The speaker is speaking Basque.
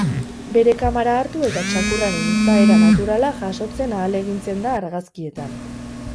Bere kamara hartu eta txakurraren izaera naturala jasotzen ahalegintzen da argazkietan.